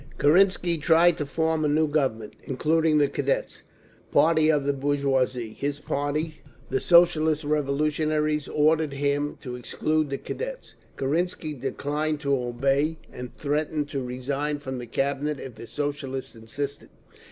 Kerensky tried to form a new Government, including the Cadets, party of the bourgeoisie. His party, the Socialist Revolutionaries, ordered him to exclude the Cadets. Kerensky declined to obey, and threatened to resign from the Cabinet if the Socialists insisted.